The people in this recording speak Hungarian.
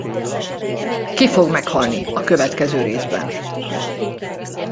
Ki fog meghalni a következő részben?